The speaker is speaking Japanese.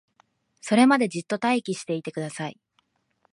それまでじっと待機していてください